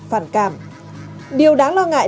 phản cảm điều đáng lo ngại